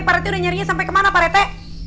pak rete udah nyariin sampe kemana pak rete